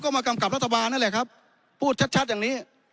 มากำกับรัฐบาลนั่นแหละครับพูดชัดอย่างนี้